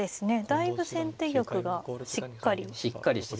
だいぶ先手玉がしっかりして。